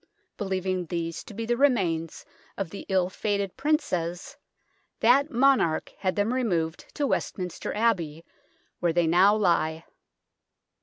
Believing these to be the remains of the ill fated Princes, that monarch had them removed to West minster Abbey, where they now lie.